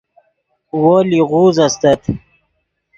وو لیغوز استت